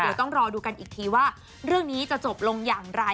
เดี๋ยวต้องรอดูกันอีกทีว่าเรื่องนี้จะจบลงอย่างไร